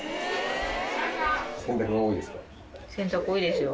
洗濯多いですよ。